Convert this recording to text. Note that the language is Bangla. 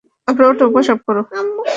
তখন থেকেই আমি এখানে।